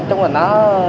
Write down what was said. nói chung là nó